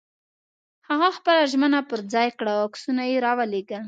هغه خپله ژمنه پر ځای کړه او عکسونه یې را ولېږل.